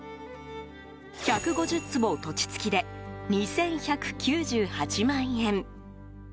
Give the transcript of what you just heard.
１５０坪土地付きで２１９８万円。